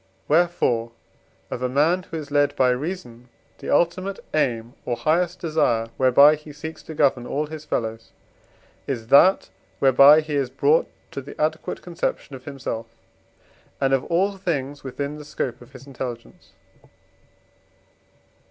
Wherefore of a man, who is led by reason, the ultimate aim or highest desire, whereby he seeks to govern all his fellows, is that whereby he is brought to the adequate conception of himself and of all things within the scope of his intelligence.